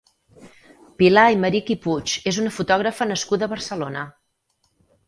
Pilar Aymerich i Puig és una fotògrafa nascuda a Barcelona.